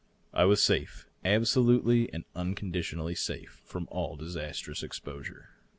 I was safe, absolutely and unconditionally safe, from all disastrous exposure.